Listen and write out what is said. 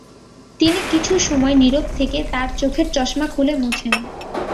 তিনি কিছু সময় নীরব থেকে তাঁর চোখের চশমা খুলে চোখ মোছেন।